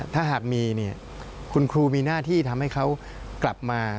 ถ้าหากมีเนี่ยคุณครูมีหน้าที่ทำให้เขากลับมา